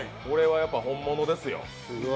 これはやっぱ本物ですよ。